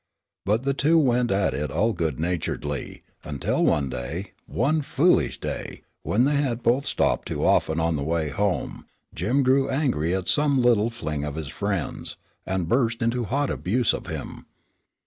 But the two went at it all good naturedly, until one day, one foolish day, when they had both stopped too often on the way home, Jim grew angry at some little fling of his friend's, and burst into hot abuse of him.